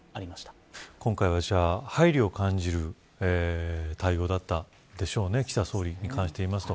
今回は配慮を感じる対応だったでしょうね岸田総理。